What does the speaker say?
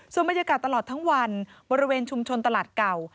ส่วนบรรยากาศตลอดทั้งวันบริเวณชุมชนตลาดเก่า